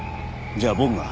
じゃあ僕が。